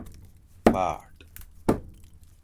پاۤٹ